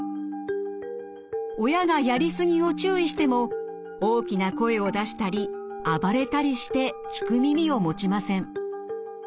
親がやり過ぎを注意しても大きな声を出したり暴れたりして聞く耳を持ちません。